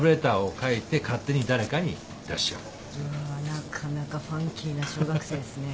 なかなかファンキーな小学生ですね。